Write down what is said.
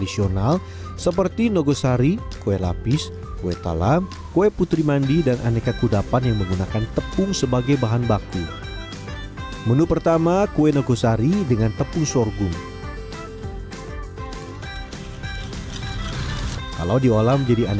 sorghum akan digarang untuk diambil sarinya